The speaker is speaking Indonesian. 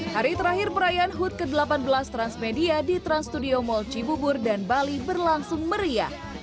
hari terakhir perayaan hut ke delapan belas transmedia di trans studio mall cibubur dan bali berlangsung meriah